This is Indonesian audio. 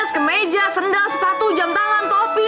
skem meja sendal sepatu jam tangan topi